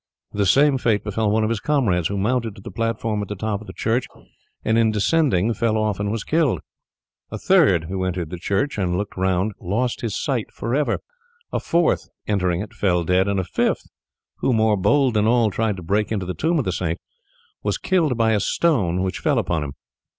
The same fate befell one of his comrades, who mounted to the platform at the top of the church and in descending fell off and was killed. A third who entered the church and looked round lost his sight for ever. A fourth entering it fell dead; and a fifth, who, more bold than all, tried to break into the tomb of the saint, was killed by a stone which fell upon him.